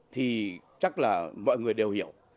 thì chắc là mọi người đều hiểu